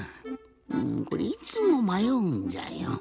うんこれいつもまようんじゃよ。